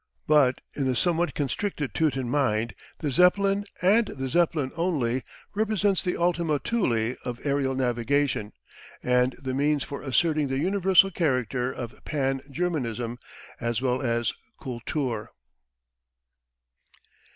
But in the somewhat constricted Teuton mind the Zeppelin and the Zeppelin only represents the ultima Thule of aerial navigation and the means for asserting the universal character of Pan Germanism as well as "Kultur."